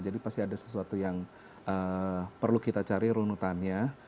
jadi pasti ada sesuatu yang perlu kita cari runutannya